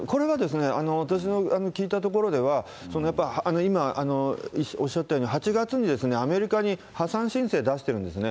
これがですね、私の聞いたところでは、今おっしゃったように、８月にアメリカに破産申請出してるんですね。